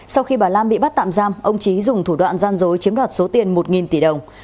sau khi bà lan bị bắt tạm giam ông trí dùng thủ đoạn gian dối chiếm đoạt số tiền một tỷ đồng